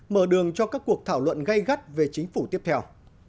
mở đường cho các cuộc thảo luận gây gắt về chính phủ tiếp theo